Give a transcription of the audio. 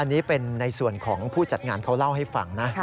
อันนี้เป็นในส่วนของผู้จัดงานเขาเล่าให้ฟังนะ